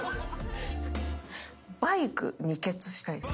バイク２ケツしたいです。